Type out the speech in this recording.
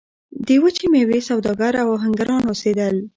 د وچې میوې سوداګر او اهنګران اوسېدل.